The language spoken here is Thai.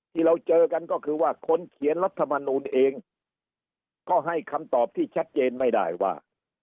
ที่เราเจอกันก็คือว่าคนเขียนรัฐมนูลเองก็ให้คำตอบที่ชัดเจนไม่ได้ว่า